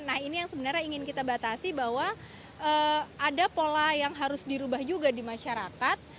nah ini yang sebenarnya ingin kita batasi bahwa ada pola yang harus dirubah juga di masyarakat